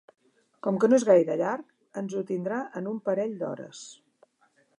Com que no és gaire llarg ens ho tindrà en un parell d'hores.